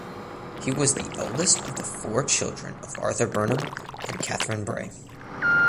He was the eldest of the four children of Arthur Burnham and Katharine Bray.